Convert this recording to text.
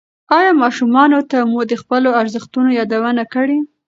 ایا ماشومانو ته مو د خپلو ارزښتونو یادونه کړې؟